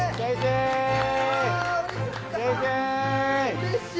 うれしい。